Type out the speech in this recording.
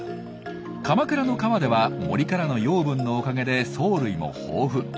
鎌倉の川では森からの養分のおかげで藻類も豊富。